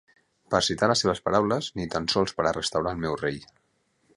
Per citar les seves paraules: "ni tan sols per a restaurar el meu rei".